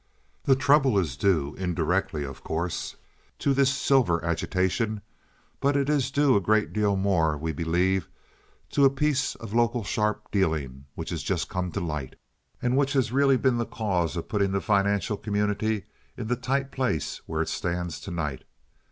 The trouble is due indirectly, of course, to this silver agitation; but it is due a great deal more, we believe, to a piece of local sharp dealing which has just come to light, and which has really been the cause of putting the financial community in the tight place where it stands to night.